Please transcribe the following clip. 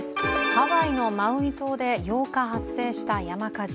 ハワイのマウイ島で８日発生した山火事。